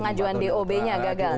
pengajuan dob nya gagal